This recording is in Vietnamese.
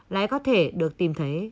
lại có thể được tìm thấy